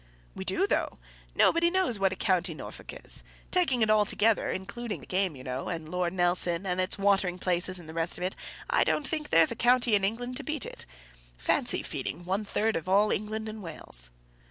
"We do, though; nobody knows what a county Norfolk is. Taking it altogether, including the game you know, and Lord Nelson, and its watering places and the rest of it, I don't think there's a county in England to beat it. Fancy feeding one third of all England and Wales!"